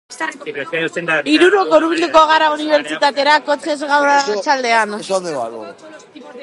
Hirurok hurbilduko gara unibertsitatera kotxez gaur arratsaldean.